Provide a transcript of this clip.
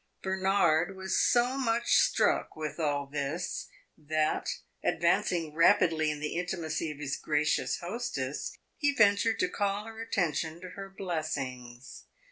Bernard was so much struck with all this that, advancing rapidly in the intimacy of his gracious hostess, he ventured to call her attention to her blessings.